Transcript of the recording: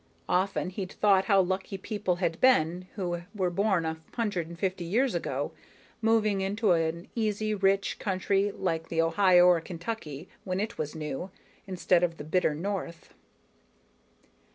Often, he'd thought how lucky people had been who were born a hundred and fifty years ago, moving into an easy, rich country like the Ohio or Kentucky when it was new, instead of the bitter North.